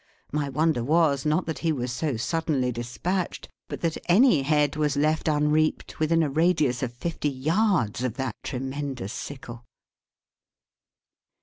My wonder was, not that he was so suddenly dispatched, but that any head was left unreaped, within a radius of fifty yards of that tremendous sickle.